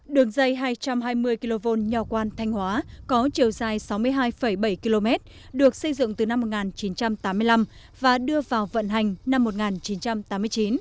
đường dây hai trăm hai mươi kv nho quan thanh hóa có chiều dài sáu mươi hai bảy km được xây dựng từ năm một nghìn chín trăm tám mươi năm và đưa vào vận hành năm một nghìn chín trăm tám mươi chín